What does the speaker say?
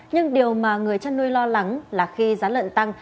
nhưng điều mà người chăn nuôi lo lắng là khi giá lợn tăng